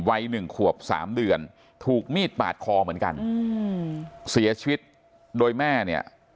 วัย๑ขวบ๓เดือนถูกมีดปาดคอเหมือนกันเสียชีวิตโดยแม่เนี่ย